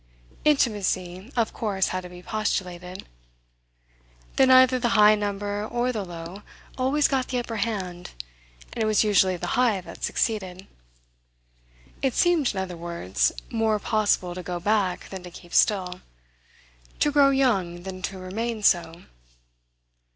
Intimacy of course had to be postulated. Then either the high number or the low always got the upper hand, and it was usually the high that succeeded. It seemed, in other words, more possible to go back than to keep still, to grow young than to remain so.